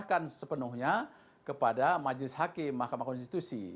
kepada majelis hakim mahkamah konstitusi